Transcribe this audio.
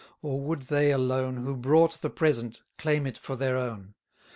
or would they alone Who brought the present, claim it for their own?